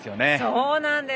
そうなんです。